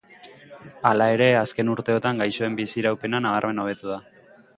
Hala ere, azken urteotan gaixoen bizi-iraupena nabarmen hobetu da.